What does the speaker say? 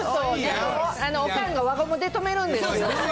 おかんが輪ゴムで留めるんです。